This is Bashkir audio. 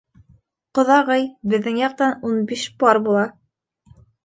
Ҡоҙағый, беҙҙең яҡтан ун биш пар була.